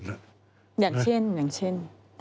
อย่างเช่น